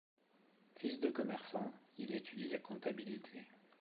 Fils de commerçants, il étudie la comptabilité.